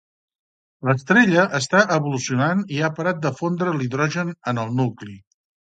L'estrella està evolucionant i ha parat de fondre hidrogen en el nucli.